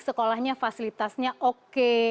sekolahnya fasilitasnya oke